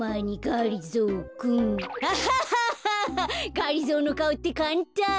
がりぞーのかおってかんたん。